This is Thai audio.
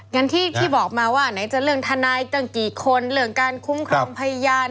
งั้นที่บอกมาว่าไหนจะเรื่องทนายตั้งกี่คนเรื่องการคุ้มครองพยาน